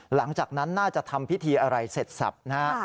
หลังจากนั้นน่าจะทำพิธีอะไรเสร็จสับนะฮะ